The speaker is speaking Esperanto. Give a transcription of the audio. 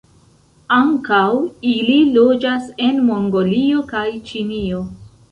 Ankaŭ ili loĝas en Mongolio kaj Ĉinio.